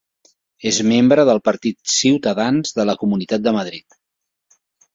És membre del partit Ciutadans de la Comunitat de Madrid.